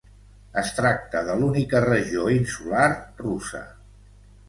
Es tracta de l'única regió insular russa.